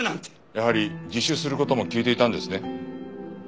やはり自首する事も聞いていたんですね？